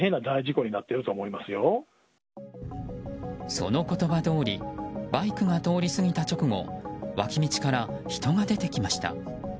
その言葉どおりバイクが通り過ぎた直後脇道から人が出てきました。